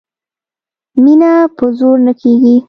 مینه په زور نه کېږي